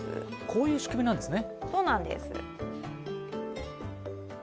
こういう仕組みなんですね。